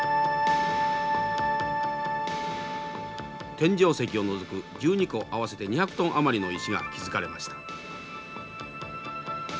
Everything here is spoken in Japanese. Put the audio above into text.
天井石を除く１２個合わせて２００トン余りの石が築かれました。